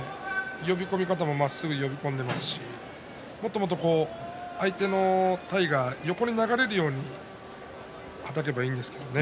呼び込み方もまっすぐ呼び込んでいますしもっともっと相手の体が横に流れるようにはたけばいいんですけどね。